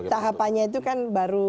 tahapannya itu kan baru